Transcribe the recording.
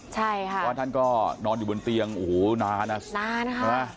ใช่ค่ะว่าท่านก็นอนอยู่บนเตียงโอ้โหนาน่ะนานค่ะ